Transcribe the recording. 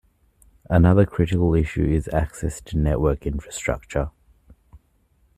Another critical issue is access to network infrastructure.